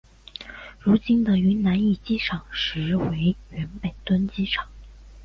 如今的云南驿机场实为原北屯机场。